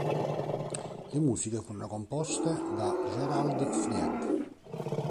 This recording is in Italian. Le musiche furono composte da Gerald Fried.